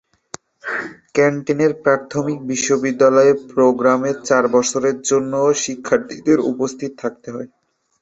ক্যান্টনের প্রাথমিক বিদ্যালয়ের প্রোগ্রামে চার বছরের জন্য শিক্ষার্থীদের উপস্থিত থাকতে হয়।